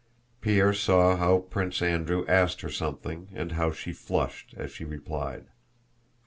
Pierre saw how Prince Andrew asked her something and how she flushed as she replied.